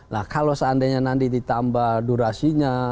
nah kalau seandainya nanti ditambah durasinya